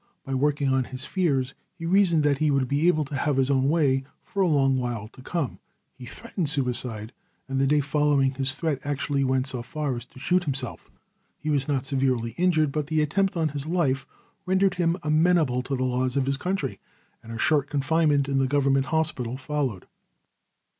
By working on his fears he reasoned that he would be able to have his own way for a long while to come. He threatened suicide, and the day following this threat actually went so far as to shoot himself. He was not severely injured, but the attempt on his life rendered him amenable to the laws of his country, and a short confinement in the government hospital followed.